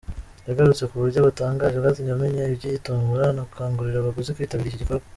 Yagarutse ku buryo butangaje bwatumye amenya iby’iyi tombola anakangurira abaguzi kwitabira iki gikorwa.